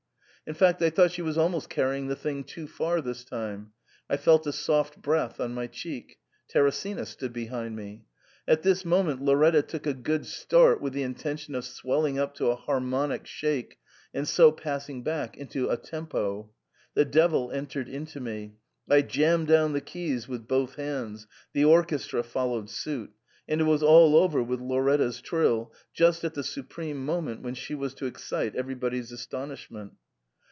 In fact, I thought she was almost carrying the thing too far this time ; I felt a soft breath on my cheek ; Tere sina stood behind me. At this moment Lauretta took a good start with the intention of swelling up to ^ 'harmonic shake,* and so passing back into a tempo. The devil entered into me ; I jammed down the keys with both hands; the orchestra followed suit; and it was all over with Lauretta's trill, just at the supreme moment when she was to excite everybody's astonish ment.